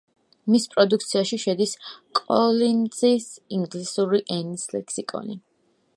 მის პროდუქციაში შედის კოლინზის ინგლისური ენის ლექსიკონი.